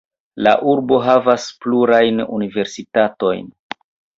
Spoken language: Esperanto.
La urbo havas plurajn universitatojn.